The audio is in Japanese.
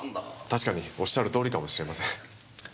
確かにおっしゃる通りかもしれません。